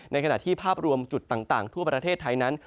ในขณะที่ภาพรวมจุดต่างทั่วประเทศไทยนั้น